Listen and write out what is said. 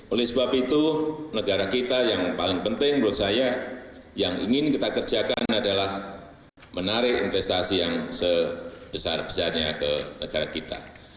oleh sebab itu negara kita yang paling penting menurut saya yang ingin kita kerjakan adalah menarik investasi yang sebesar besarnya ke negara kita